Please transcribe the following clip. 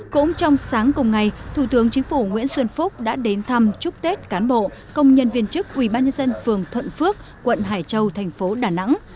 cũng trong sáng cùng ngày thủ tướng chính phủ nguyễn xuân phúc đã đến thăm chúc tết cán bộ công nhân viên chức ubnd phường thuận phước quận hải châu thành phố đà nẵng